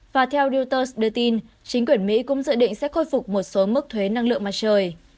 và theo reuters đưa tin chính quyền mỹ cũng dự định sẽ khôi phục một số mức thuế năng lượng mặt trời